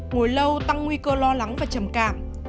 ngồi lâu tăng nguy cơ lo lắng và trầm cảm